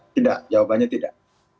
tidak jawabannya tidak